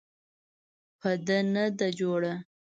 په ده نه ده جوړه.